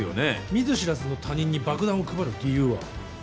見ず知らずの他人に爆弾を配る理由は？